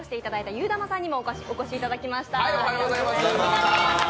ゆーだまさんにもお越しいただきました。